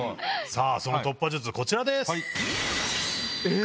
その突破術こちらです。